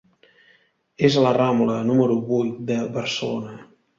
És a la Rambla, número vuit, de Barcelona.